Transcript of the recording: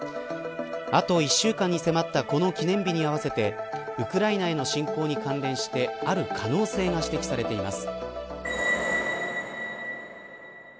あと１週間に迫ったこの記念日に合わせてウクライナへの侵攻に関連してある可能性が指摘されています。